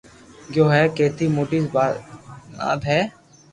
گيو ھي ڪيتي موٽي ٽات ھي